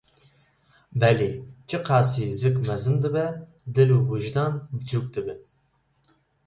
Belê, çi qasî zik mezin dibe, dil û wijdan biçûk dibin.